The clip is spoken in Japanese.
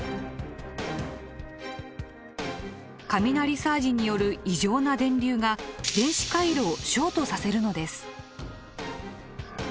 雷サージによる異常な電流が電子回路をショートさせるのです。